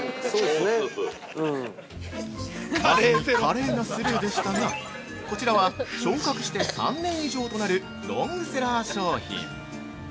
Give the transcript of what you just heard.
◆まさに華麗なスルーでしたがこちらは、昇格して３年以上となるロングセラー商品。